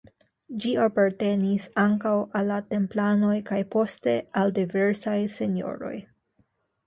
Ĝi apartenis ankaŭ al la Templanoj kaj poste al diversaj senjoroj.